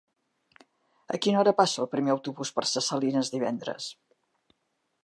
A quina hora passa el primer autobús per Ses Salines divendres?